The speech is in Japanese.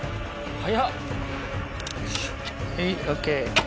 はい。